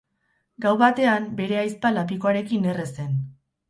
Gau batean, bere ahizpa lapikoarekin erre zen.